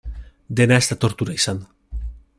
Dena ez da tortura izan.